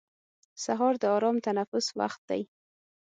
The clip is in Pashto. سهار د ارام تنفس وخت دی.